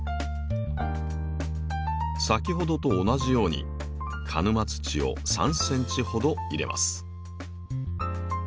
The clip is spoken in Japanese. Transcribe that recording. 先ほどと同じように鹿沼土を３ｃｍほど入れます。